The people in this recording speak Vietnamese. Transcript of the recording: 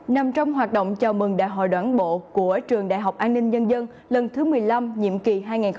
nằm trong hoạt động chào mừng đại hội đảng bộ của trường đại học an ninh nhân dân lần thứ một mươi năm nhiệm kỳ hai nghìn hai mươi hai nghìn hai mươi năm